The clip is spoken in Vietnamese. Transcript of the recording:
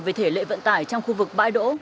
về thể lệ vận tải trong khu vực bãi đỗ